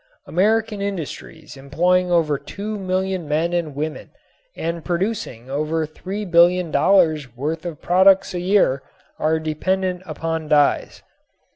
American industries employing over two million men and women and producing over three billion dollars' worth of products a year are dependent upon dyes.